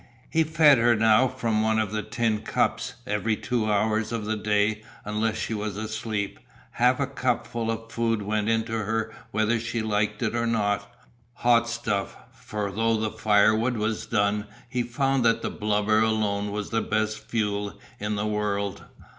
He fed her now from one of the tin cups. Every two hours of the day, unless she was asleep, half a cupful of food went into her whether she liked it or not; "hot stuff," for though the firewood was done he found that the blubber alone was the best fuel in the world.